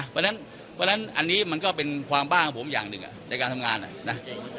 เพราะฉะนั้นอันนี้มันก็เป็นความบ้างของผมอย่างหนึ่งในการทำงานนะ